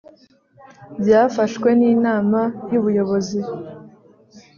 Byafashwe n’ inama y’ubuyobozi